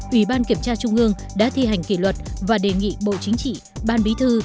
ủy ban kiểm tra trung ương đã thi hành kỷ luật và đề nghị bộ chính trị ban bí thư